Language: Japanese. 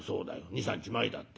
２３日前だった。